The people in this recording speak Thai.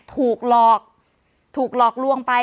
ถูกหลอกถูกหลอกลวงไป